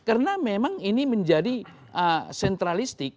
karena memang ini menjadi sentralistik